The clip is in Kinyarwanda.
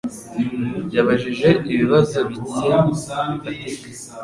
Yabajije ibibazo bike bifatika.